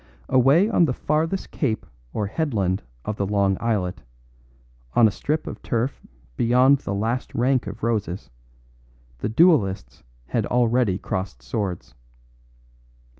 Away on the farthest cape or headland of the long islet, on a strip of turf beyond the last rank of roses, the duellists had already crossed swords.